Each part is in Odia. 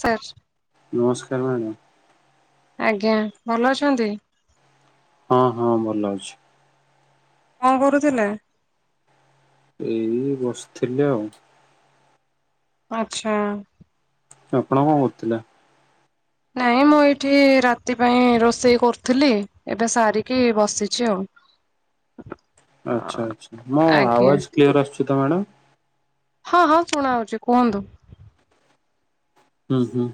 ସାର୍ ନମସ୍କାର ମ୍ୟାଡମ ଆଜ୍ଞା ଭଲ ଅଛନ୍ତି। ହଁ ହଁ ଭଲ ଅଛି। କଣ କରୁଥିଲେ? ଏଇ ବସିଥିଲି ଆଉ। ଆଚ୍ଛା ଆପଣ କଣ କରୁଥିଲେ? ନାଇଁ ମୁଁ ଏଇଠି ରାତି ପାଇଁ ରୋଷେଇ କରୁଥିଲି ଏବେ ସାରିକି ବସିଛି ଆଉ। [inaudible] ଆଛା ଆଛା ମୋ ଆଜ୍ଞା ଆବାଜ କ୍ଲିୟର ଆସୁଛି ତ ମ୍ୟାଡ଼ାମ। ହଁ ହଁ ଶୁଣା ହଉଛି କୁହନ୍ତୁ। ହୁଁ ହୁଁ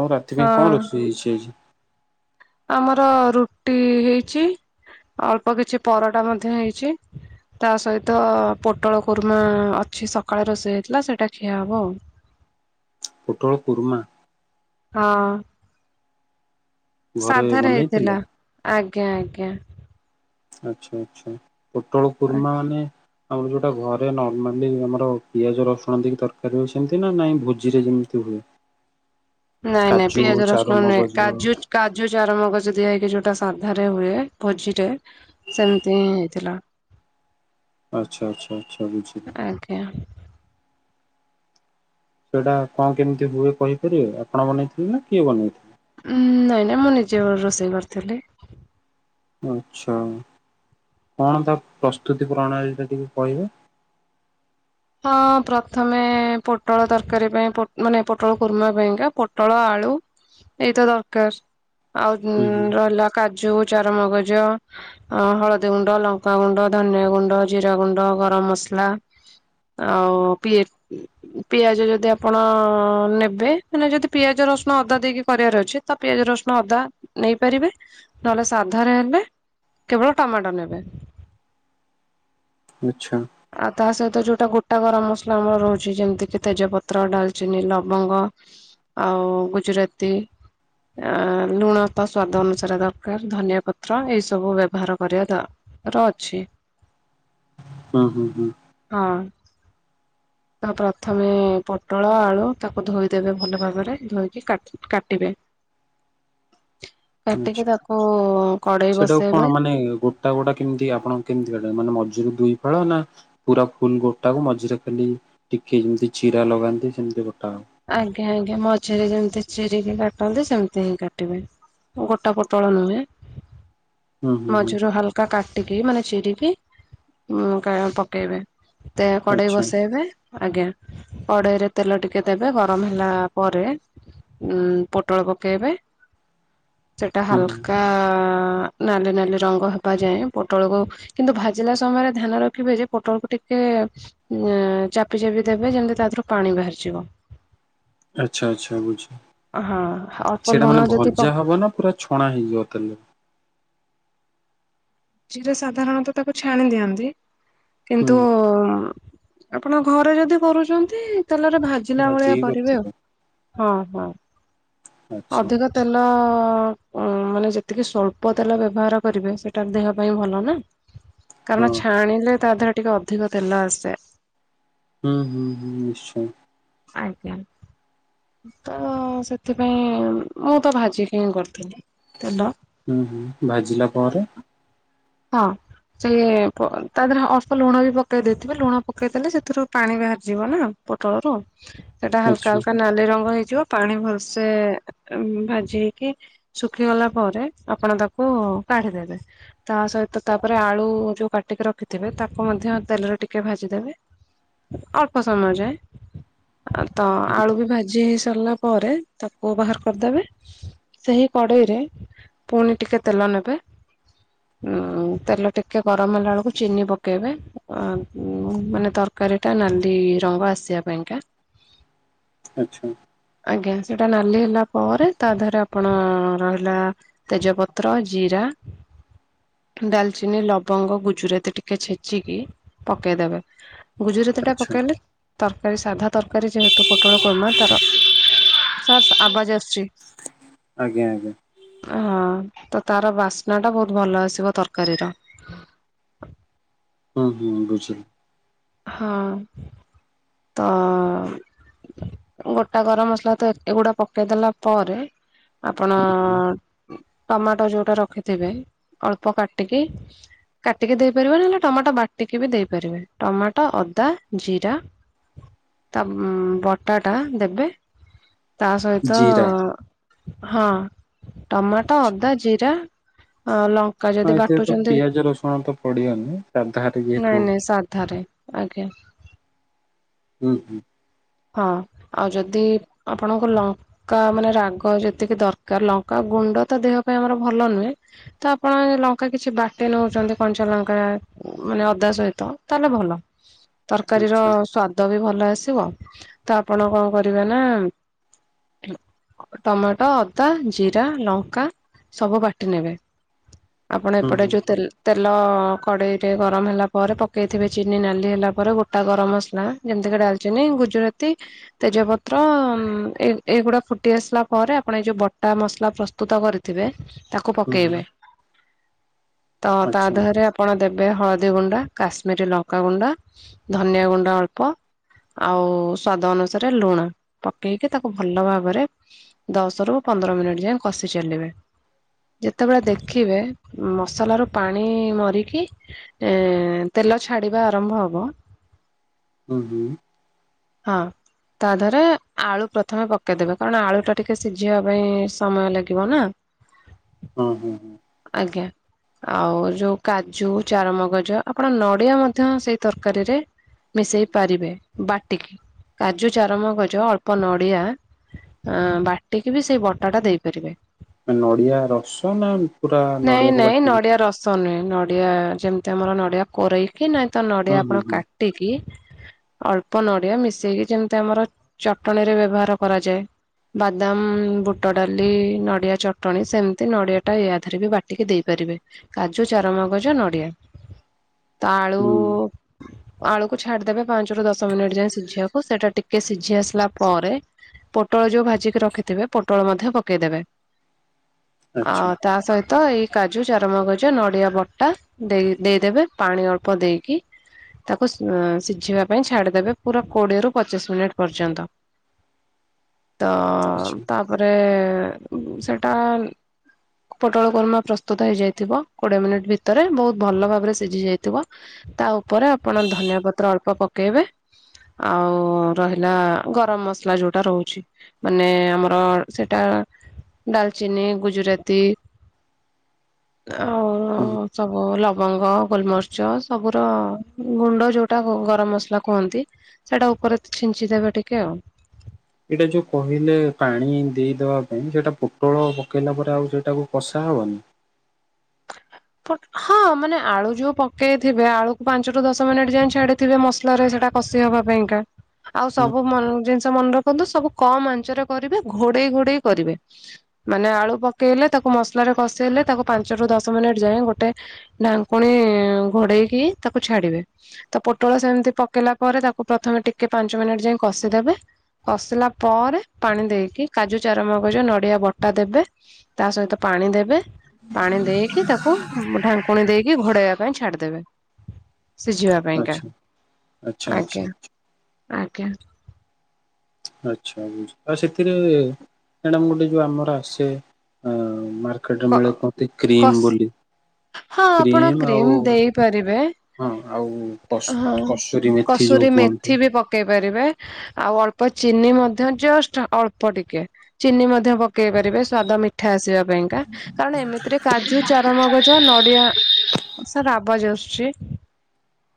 ଆଉ ରାତି ପାଇଁ ହଁ କଣ ରୋଷେଇ ହେଇଛି ଆଜି? ଆମର ରୁଟି ହେଇଛି ଅଳ୍ପ କିଛି ପରଟା ମଧ୍ୟ ହେଇଛି। ତା ସହିତ ପୋଟଳ କୁର୍ମା ଅଛି ସକାଳେ ରୋଷେଇ ହେଇଥିଲା ସେଇଟା ଖିଆ ହବ ଆଉ। ପୋଟଳ କୁର୍ମା ହଁ ଘରେ ସାଧାରେ ବନେଇଥିଲେ ହେଇଥିଲା ଆଜ୍ଞା ଆଜ୍ଞା ଆଛା ଆଚ୍ଛା ପୋଟଳ କୁର୍ମା ମାନେ ଆମର ଯୋଉଟା ଘରେ ନର୍ମାଲି ଆମର ପିଆଜ ରସୁଣ ଦେଇକି ତରକାରୀ ହଉଛି ସେମିତି ନା ନାଇଁ ଭୋଜିରେ ଯେମିତି [inaudible] ନାଇଁ ନାଇଁ କାଜୁ ପିଆଜ ଚାରୁ ରସୁଣ ନୁହେଁ। ମଗଜ କାଜୁ କାଜୁ ଚାରୁମଗଜ ଦିଆହେଇକି ଯୋଟା ସାଧାରେ ହୁଏ ଖୋଜିରେ ସେମିତି ହିଁ ହେଇଥିଲା। ଆଚ୍ଛା ଆଚ୍ଛା ଆଛା ବୁଝିଲି। ଆଜ୍ଞା ସେଇଟା କଣ କେମିତି ହୁଏ କହିପାରିବେ। ଆପଣ ବନେଇଥିଲେ ନା କିଏ ବନେଇଥିଲେ? ଉଁ ନାଇଁ ନାଇଁ ମୁଁ ନିଜେ ରୋଷେଇ କରିଥିଲି। ଆଚ୍ଛା କଣ ତା ପ୍ରସ୍ତୁତି ପ୍ରଣାଳୀଟା ଟିକେ କହିବ ହଁ ପ୍ରଥମେ ପୋଟଳ ତରକାରୀ ପାଇଁ ମାନେ ପୋଟଳ କୁରମା ପାଇଁକା ପୋଟଳ ଆଳୁ ଏଇତ ଦରକାର ଆଉ ହୁଁ ହୁଁ। ରହିଲା କାଜୁ ଚାରମଗଜ ଅ ହଳଦୀ ଗୁଣ୍ଡ, ଲଙ୍କାଗୁଣ୍ଡ, ଧନିଆଗୁଣ୍ଡ, ଜିରାଗୁଣ୍ଡ, ଗରମ ମସଲା [inaudible] ଆଉ ପି ପିଆଜ ଯଦି ଆପଣ ନେବେ ମାନେ ଯଦି ପିଆଜ, ରସୁଣ ଅଦା ଦେଇକି କରିବାର ଅଛି ତ ପିଆଜ ରସୁଣ ଅଦା ନେଇପାରିବେ ନହେଲେ ସାଧାରେ ହେଲେ କେବଳ ଟମାଟୋ ନେବେ ଆଚ୍ଛା ତ ଯୋଉଟା ଗୋଟା ଗରମ ମସଲା ଆମର ରହୁଛି ଯେମିତି କିି ତେଜପତ୍ର, ଡାଲଚିନି, ଲବଙ୍ଗ ଆଉ ଗୁଜୁରାତି ଅ ଲୁଣ ତ ସ୍ଵାଦ ଅନୁସାରେ ଦରକାର ଧନିଆ ପତ୍ର ଏଇ ସବୁ ବ୍ୟବହାର କରିବା ଦ ର ଅଛି। ହୁଁ ହୁଁ ହୁଁ ହଁ [inaudible] ତ ପ୍ରଥମେ ପୋଟଳ, ଆଳୁ ତାକୁ ଧୋଇଦେବେ ଭଲ ଭାବରେ ଧୋଇକି କାଟିବେ। [inaudible] ଆଚ୍ଛା। କାଟିକି ତାକୁ କଡେଇ ସେଟାକୁ ବସେଇବେ। କଣ ମାନେ ଗୋଟା ଗୋଟା କେମିତି ଆପଣ କେମିତି କାଟନ୍ତି ମାନେ ମ ମଝିରୁ ଦୁଇ ଫାଳ ନା ପୁରା ଫୁଲ ଗୋଟାକୁ ମଝିରେ ଖାଲି ଟିକେ ଯେମିତି ଚିରା ଲଗାନ୍ତି ସେମିତି ଆଜ୍ଞା ଆଜ୍ଞା ମଝିରେ ଯେମିତି ଚିରିକି କାଟନ୍ତି ସେମିତି ହିଁ କାଟିବେ ଗୋଟା ପୋଟଳ ନୁହେଁ। ହୁଁ ହୁଁ ହୁଁ ମଝିରୁ ହାଲକା କାଟିକି ମାନେ ଚିରିକି ଉଁ କା ପକେଇବେ। ତା କଡେଇ ଆଚ୍ଛା ବସେଇବେ ଆଜ୍ଞା କଡେଇରେ ତେଲ ଟିକେ ତେବେ ଗରମ ହେଲା ପରେ ଉଁ ପୋଟଳ ପକେଇବେ। ସେଟା ହୁଁ ହାଲକା ଆ ନାଲି ନାଲି ରଙ୍ଗ ହେବା ଯାଏଁ ପୋଟଳକୁ କିନ୍ତୁ ଭାଜିଲା ସମୟରେ ଧ୍ୟାନ ରଖିବେ ଯେ ପୋଟଳକୁ ଟିକେ ଏ ଉମ୍ ଚାପି ଚାପି ଦେବେ ଯେମିତି ତା ଦେହରୁ ପାଣି ବାହାରିଯିବ। ଆଚ୍ଛା ଆଚ୍ଛା ବୁଝି ହଁ ଅଳ୍ପ ସେଇଟା ଲୁଣ ମାନେ ଯଦି ଭଜା ହବ ନା ପୁରା ଛଣା ହେଇଯିବ ତାଲେ? ସେଇଟା ସାଧାରଣତଃ ତାକୁ ଛାଣି ଦିଅନ୍ତି ହୁଁ କିନ୍ତୁ ଆପଣ ଘରେ ଯଦି କରୁଚନ୍ତି ତେଲରେ ଭାଜିଲା ଭଳିଆ ଭାଜିକି କରିବେ ଆଉ କରିଥିଲେ ହଁ। ହଁ। ଆଚ୍ଛା ଅଧିକ ତେଲ ଅ ତ ମାନେ ଯେତିକି ସ୍ୱଳ୍ପ ତେଲ ବ୍ୟବହାର କରିବେ ସେଟା ଦେହ ପାଇଁ ଭଲ ନା। ହଁ। କାରଣ ଛାଣିଲେ ତା ଦେହରେ ଟିକେ ଅଧିକ ତେଲ ଆସଯାଏ। ହୁଁ ହୁଁ ହୁଁ ନିଶ୍ଚୟେଁ। ଆଜ୍ଞା। ତ ସେଥିପାଇଁ ମୁଁ ତ ଭାଜିକି ହିଁ କରିଥିନି। ଉ ହୁଁ ଭାଜିଲା ପରେ? ହଁ। ସେ ତା ପ ଦେହରେ ଅଳ୍ପ ଲୁଣ ବି ପକେଇ ଦେଇଥିବେ ଲୁଣ ପକେଇଦେଲେ ସେଥିରୁ ପାଣି ବାହାରିଯିବ ନା। ପୋଟଳର ସେଟା ହାଲକା ଆଚ୍ଛା ହାଲକା ନାଲି ରଙ୍ଗ ହେଇ ହେଇଯିବ ପାଣି ଭଲସେ ଉମ୍ ଭାଜି ହେଇକି ଶୁଖିଗଲା ପରେ ଆପଣ ତାକୁ ଉ କାଢିଦେବେ। ତା ସହିତ ତାପରେ ଆଳୁ ଯୋଉ କାଟିକି ରଖିଥିବେ ତାକୁ ମଧ୍ୟ ତେଲରେ ଟିକେ ଭାଜିଦେବେ। ଅଳ୍ପ ସମୟ ଯାଏ ତ ଆଳୁ ବି ଭାଜି ହେଇସା ଚାଲିଲା ପରେ ତାକୁ ବାହାର କରିଦବେ ସେହି କଡେଇରେ ପୁଣି ଟିକେ ତେଲ ନେବେ। ହ ଉଁ ତେଲ ଟିକେ ଗରମ ହେଲା ବେଳକୁ ଚିନି ପକେଇବେ ଆ ଉଁ ମାନେ ତରକାରୀଟା ନାଲି ରଙ୍ଗ ଆସିବା ପାଇଁକା ଆଚ୍ଛା। ଆଜ୍ଞା ସେଇଟା ନାଲି ହେଲା ପରେ ତା ଦେହରେ ଆପଣ ରହିଲା ତେଜପତ୍ର, ଜିରା ହଁ ଡାଲଚିନି, ଲବଙ୍ଗ, ଗୁଜୁରାତି ଟିକେ ଛେଚିକି ପକେଇଦେବେ। ଗୁଜୁରତିଟା ଆଚ୍ଛା ପକେଇଲେ ତରକାରୀ ସାଧା ତରକାରୀ ଯେହେତୁ ପୋଟଳ କୋରମା ତାର ସାର୍ ସେ ଆବାଜ ଆସଚି। ଆଜ୍ଞା ଆଜ୍ଞା। ହଁ ତ ତାର ବାସ୍ନାଟା ବୋହୁତ ଭଲ ଆସ୍ ସିବ ତରକାରୀର। ହୁଁ ହୁଁ ବୁଝିଲି। ହଁ ତ ଗୋଟା ଗରମ ମସଲା ତ ଏତେଗୁଡା ପକେଇଦେଲା ପରେ ଆପଣ ଉ ଟମାଟ ଯୋଉଟା ରଖିଥିବେ ଅଳ୍ପ କାଟିକି କାଟିକି ଦେଇ ପାରିବେ ନହେଲେ ଟମାଟ ବାଟିକି ବି ଦେଇ ପାରିବେ ଟମାଟୋ, ଅଦା, ଜିରା ତା ଉମ୍ ବଟାଟା ଦେବେ। ତା ସହିତ ଜିରା ହଁ ଟମାଟ, ଅଦା, ଜିରା ଅ ଲ ଆଉ ଏଥିରେ ତ ପିଆଜ ରସୁଣ ତ ପଡିବନି ସାଧାଟେ ଯେହେତୁ। ଏ ଆଜ୍ଞା। ଉଁ ଉଁ। ହଁ ଆଉ ଯଦି ଆପଣଙ୍କୁ ଲଙ୍କା ମାନେ ରାଗ ଯେତିକି ଦରକାର୍ ଲଙ୍କା ଗୁଣ୍ଡ ତ ଦେହ ପାଇଁ ଆମର ଭଲ ନୁହେଁ ତ ଆପଣ ଲଙ୍କା କିଛି ବାଟି ନୋଉଚନ୍ତି କଞ୍ଚା ଲଙ୍କା ମାନେ ଅଦା ସହିତ ତାହେଲେ ଭଲ ତରକାରୀର ଆଚ୍ଛା ସ୍ଵାଦ ବି ଭଲ ଆସିବ। ତ ଆପଣ କଣ କରିବେ ନା ଟମାଟ, ଅଦା, ଜିରା, ଲଙ୍କା ସବୁ ବାଟି ନେବେ। ଆପଣ ହୁଁ ଏପଟେ ହୁଁ ଯୋଉ ତେଲ୍ ତେ ଲ କଡ଼େଇରେ ଗରମ୍ ହେଲା ପରେ ପକେଇଥିବେ ଚିନି ନାଲି ହେଲା ପରେ ଗୋଟା ଗରମ୍ ମସ୍ ଲା ଯେମ୍ ତିକା ଡାଲ୍ ଚିନି ଗୁଜ୍ ଜୁରାତି ତେଜପତ୍ର ଏ-ଏଗୁଡ଼ା ଫୁଟି ଆସିଲା ପରେ ଆପଣ ଏ ଯୋଉ ବଟା ମସ୍ ଲା ପ୍ରସ୍ତୁତ କରିଥିବେ ତାକୁ ହୁଁ ହୁଁ ପକେଇବେ ତ ତା ଆଚ୍ଛା ଦେହରେ ଆପଣ ଦେ ବେ ହଳଦୀ ଗୁଣ୍ଡା କାଶ୍ମୀରୀ ଲଙ୍କା ଗୁଣ୍ଡା ଧନିଆ ଗୁଣ୍ଡ ଅଳ୍ପ ଆଉ ସ୍ଵାଦ ଅନୁସାରେ ଲୁଣ ପକେଇକି ତାକୁ ଭଲ ଭାବରେ ଦଶ ରୁ ପନ୍ଦର ମିନିଟ୍ ଯାଏ କ ସି ଚାଲିବେ। [unintelligible] ଯେତେବେଳେ ଆଚ୍ଛା। ଦେଖିବେ ମସଲାରୁ ପାଣି ମରିକି ଏଁ ତେଲ ଛାଡ଼ିବା ଆରମ୍ଭ ହବ। [unintelligible] ହଁ। ତା ଦେହରେ ଆଳୁ ପ୍ରଥମେ ପକେଇଦେବେ କାରଣ ଆଳୁ ଟା ଟିକେ ସିଝିବା ପାଇଁ ସମୟ ଲାଗିବ ନା। ଅଁ ହଁ ହଁ। ଆଜ୍ଞା। ଆଉ ଯୋଉ କାଜୁ ଚାରୁ ମଗଜ ଆପଣ ନଡ଼ିଆ ମଧ୍ୟ ସେଇ ତର୍ କାରୀରେ ମିଶେଇ ପାରିବେ ବାଟିକି କାଜୁ ଚାରୁ ମଗଜ ଅଳ୍ପ ନଡ଼ିଆ ଆଁ ବାଟିକି ବି ସେଇ ବଟାଟା ଦେଇପାରିବେ। ଆ ନଡ଼ିଆ ରସ ନା ପୁରା ନଡ଼ିଆକୁ ବାଟିକି? ଡ଼ିଆ ଯେମ୍ ତି ଆମର ନଡ଼ିଆ କୋରେଇକି ନାଇଁ ତ ନଡ଼ିଆ ହୁଁ ଆପଣ ହୁଁ ହୁଁ କାଟିକି ଅଳ୍ ପ ନଡ଼ିଆ ମିଶେଇକି ଯେମ୍ ତି ଆମର ଚଟଣୀ ରେ ବ୍ୟବହାର କରାଯାଏ। ବାଦାମ୍ ବୁଟ ଡାଲି ନଡ଼ିଆ ଚଟଣି ସେମ୍ ତି ନଡ଼ିଆ ୟା ଥିରେ ବାଟିକି ଦେଇପା ରିବେ କାଜୁ ଚାରୁ ମଗଜ ନଡ଼ିଆ। [unintelligible] ତ ଆଳୁ ହୁଁ ଆଳୁକୁ ଛାଡ଼ିଦେବେ ପାଞ୍ଚ୍ ରୁ ଦଶ୍ ଶ ମିନିଟ୍ ଯାଏ ସିଝିବାକୁ ସେଟା ଟିକେ ସିଝି ଆସିଲା ପରେ ପୋଟଳ ଯୋଉ ଭାଜିକି ରଖିଥିବେ ପୋଟଳ ମଧ୍ୟ ପକେଇଦେବେ। ଆ ଆଚ୍ଛା ତା ସହି ତ ଏଇ କାଜୁ ଚାରୁ ମଗଜ ନଡ଼ିଆ ବଟା ଦେଇ-ଦେଇଦେବେ ପାଣି ଅଳ୍ପ ଦେଇକି। ତାକୁ ସ୍ ସିଝିବା ପାଇଁ ଛାଡ଼ି ଦେବେ ପୁରା କୋଡ଼ିଏରୁ ପଚିଶ୍ ମିନିଟ୍ ପର୍ଯ୍ୟନ୍ତ। ତ ଆଚ୍ଛା ତାପରେ ଉମ୍ ସେଟା ପୋଟଳ କୁର୍ ମା ପ୍ରସ୍ତୁତ ହେଇଯାଇଥିବ କୋଡିଏ ମିନିଟ୍ ଭିତରେ ବୋହୁତ୍ ଭଲ ଭାବରେ ସିଝି ଯାଇଥିବ ତା ଉ ପରେ ଆପଣ ଧନିଆ ପତ୍ର ଅଳ୍ପ ପକେଇବେ। ହଁ ଆଉ ରହିଲା ଗରମ୍ ମସ୍ ଲା ଯୋଉଟା ରହୁଛି ମାନେ ଆମର ସେଟା ଡାଲ୍ ଚିନି ଗୁଜୁରାତି ହ ଆଉ ସବୁ ଲ ବଙ୍ଗ ଗୋଲ୍ ମରିଚ ସବୁର ଗୁଣ୍ଡ ଯୋଉଟା ଗ-ଗରମ ମସ୍ ଲା କୁହନ୍ତି ସେଟା ଉପରେ ଛିଞ୍ଚିଦେବେ ଟିକେ ଆଉ। ଏଇଟା ଯୋଉ କହିଲେ ପାଣି ଦେଇଦବା ପାଇଁ ସେଟା ପୋଟଳ ପକେଇଲା ପରେ ଆଉ ସେଟାକୁ କଷା କସା ହବ ହଁ ମାନେ ଆଳୁ ଯୋଉ ପକେଇଥିବେ ଆଳୁକୁ ପାଞ୍ଚରୁ ଦଶ ମିନିଟ ଯ ଛାଡିଥିବେ ମସଲା ା କଷ ହବା ପାଇଁକା ଆଉ ହୁଁ ସବୁ ମ ମନେ ରଖନ୍ତୁ ସବୁ କମ ଆଞ୍ଚରେ କରିବେ ଘୋଡେଇ ଘୋଡେଇ କରିବେ ମାନେ ଆଳୁ ପକେଇଲେ ତାକୁ ମସଲାରେ କଷେଇଲେ ତାକୁ ପାଞ୍ଚରୁ ଦଶ ମିନିଟ ଯାଏ ଗୋଟେ ଢାଙ୍କୁଣୀ ଘୋଡେଇକି ତାକୁ ଛାଡିବେ ତା ପୋଟଳ ସେମିତି ପକେଇ ଲା ପରେ ତାକୁ ପ୍ରଥମେ ଟିକେ ପାଞ୍ଚ ମିନିଟ୍ ଯାଇ କଷିଦେବେ କଷିଲା ପରେ ପାଣି ଦେଇକି କାଜୁ ଚାର ମାଗଜ ନଡିଆ ବଟା ଦେବେ ତା ସହିତ ପାଣି ପାଣି ଦେବେ ପାଣି ଦେଇକି ତାକୁ ଢାଙ୍କୁଣୀ ଦେଇକି ଘୋଡେଇବା ପାଇଁ ଛାଡିଦବେ ସିଝିବା ପାଇଁକା ଆଚ୍ଛା ଆଚ୍ଛା ଆଚ୍ଛା। ଆଜ୍ଞା ଆଜ୍ଞା ଆଚଛା ବ ଆଉ ସେଥିରେ ମଡ ଗୋଟେ ଯୋଉ ଆମର ଆସେ ହ କ ମାର୍କେଟରେ ମିଳ ମତେ କ୍ରିମ କସ୍ ବୋଲି ହଁ ଆପଣ କ୍ରିମ ଦେଇପାରିବେ ହଁ ଆଉ ହଁ। କଷୁରୀ ମେଥି ଯୋଉ ଦୁହନ୍ତ ାରେ ଆଉ ଅଳ୍ପ ଚିନି ମଧ୍ୟ ଜଷ୍ଟ ଅଳ୍ପ ଟିକେ ଚିନି ମଧ୍ୟ ପକେଇ ପାରେ ମିଠା ଆସିବା ପାଇଁ କାରଣ ଏମିତିରେ କାୁ ଚମ ଡିଆ ସାର ଆବାଜ ଆସୁଛି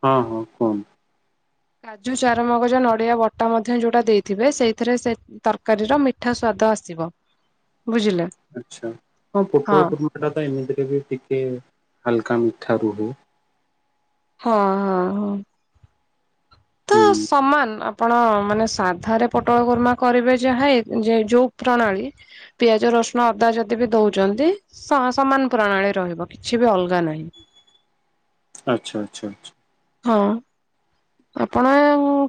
ହଁ ହଁ କୁଣ କାଜୁ ଚାରମଗଜ ନଡିଆ ବଟା ମଧ୍ୟ ଯୋଉଟା ଦେଇଥିବେ ସେଇଥିରେ ତରକାରୀର ମିଠା ସାଦ ତ ଆସିବ ହ ବୁଝିଲେ ଆଛା ହଁ ପୋଟ୍ରଳ ପୁର୍ଣ୍ମା ଟା ତ ଏମିତିରେ ବି ଟିକେ ହାଲକା ନ ାରୁୁହ ହଁ ହଁ ହ ତ ହୁଁ ସମାନ ଆପଣ ମାନେ ସାଧାରେ ପୋଟଳ ଗୁର୍ମା କରିବେ ଯା ପ୍ରୀ ପି ପ୍ରଶ୍ନ ଅଦା ଯଦି ବି ଦଉଛନ୍ତି ସମାନ ପ୍ରଣାଳୀ ରହିବ କିଛି ବି ଅଲଗା ନାହିଁ ଆଚଛା ଆଚଛାା ହଁ ଆପଣ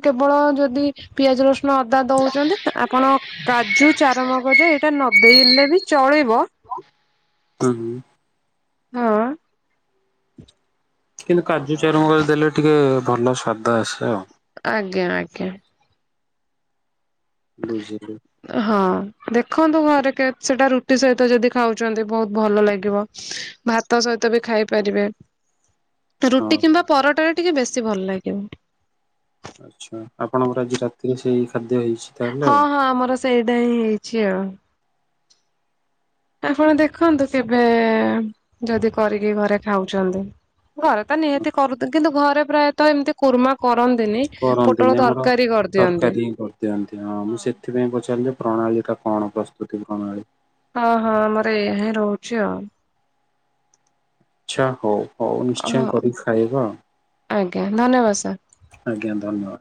କେବଳ ଯଦି ପିଆଜ ରସୁଣ ଅଦା ଦଉଛନ୍ତି ଆପଣ କାଜୁ ଚାରମଗଜ ଏଇଟା ନଦେଇଲେ ବି ଚଳେଇିବ ତ ହ କିନ୍ତୁ କାଜୁ ଚରମ କରି ଦେଲେ ଟିକେ ଭଲ ସଵାଦ ଆଜ୍ଞା ଆଜ୍ଞା ବୁଝିଲି ହଁ ଦେଖନ୍ତୁ ଘରେ କେ ସେଟା ରୁଟି ସହିତ ଯଦି ଖାଉଛନ୍ତି ବହୁତ ଭଲ ଲାଗିବ ଭାତ ସହିତ ତ ବି ଖାଇପାରିବେ ହ ରୁଟି କିମ୍ବା ପରଟାାରେ ଟିକେ ବେଶୀ ଭଲ ଲାଗିବ ଆଛା ଆପଣଙ୍କର ଆଜି ରାତିରେ ସେଇ ଖାଦ୍ୟ ହେଇଛି ତାହେଲେ ହଁ ଆଉ ହଁ ଆମର ସେଇଟା ହିଁ ହେଇଛି ଆଉ ଆପଣ ଦେଖନ୍ତୁ କେବେ ଯଦି କରିକି ଘରେ ଖାଉଛନ୍ତି ଘରେ ତ ନିହାତି କରୁଦୁ କିନ୍ତୁ ଘରେ ପ୍ରାୟତଃ ଏମିତି କୁର୍ମା କ କରନ୍ତିନି ଆମର କରିଦିଅନ୍ତି ତରକାରୀ ହିଁ କରିଦିଅନ୍ତି ହଁ ମୁଁ ସେଥିପାଇଁ ପଚାରି ପ୍ରଣାଳୀ ଟା କଣ ପ୍ରସ୍ତୁତି ପ୍ରଣାଳୀ ହଁ ହଁ ଆମର ଏଇ ହିଁ ରହୁଛି ଆଉ ଆଚଛା ହଉ ହଉ ନିଶ୍ଚୟ କରିକି ଖାଇବା ଆଜ୍ ଧନ୍ୟବାଦ ସାର୍ ଆଜ୍ଞା ଧନ୍ୟବାଦ